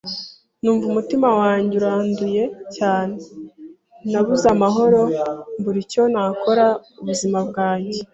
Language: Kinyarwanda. numva umutima wanjye uranduye cyane. Nabuze amahoro, mbura icyo nakorera ubuzima bwanjye